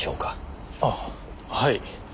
ああはい。